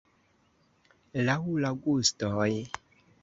Laŭ la gustoj.